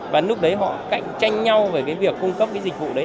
và lúc đấy họ cạnh tranh nhau về cái việc cung cấp cái dịch vụ đấy